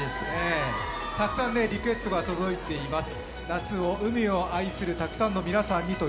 たくさんリクエストが届いています。